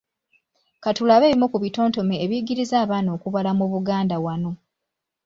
Katulabe ebimu ku bitontome ebiyigiriza abaana okubala mu Buganda wano.